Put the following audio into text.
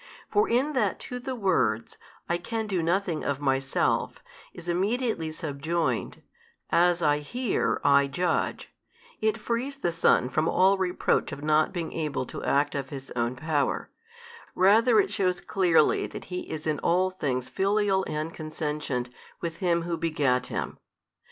For in that to the words, I can do nothing of Myself, is immediately subjoined, As I hear, I judge, it frees the Son from all reproach of not being able to act of His Own Power: rather it shews clearly that He is in all things Filial and Consentient with Him Who begat Him.